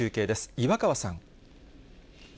岩川さん。